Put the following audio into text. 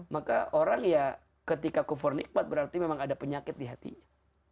maka orang ya ketika kufur nikmat berarti memang ada penyakit di hatinya